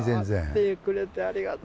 会ってくれてありがとう！